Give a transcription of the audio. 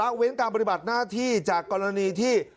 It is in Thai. เว้นการปฏิบัติหน้าที่จากกรณีที่